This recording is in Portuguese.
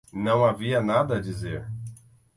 Não havia nada a dizer.